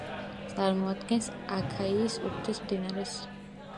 წარმოადგენს აქაიის უგრძეს მდინარეს.